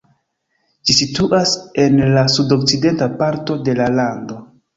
Ĝi situas en la sudokcidenta parto de la lando.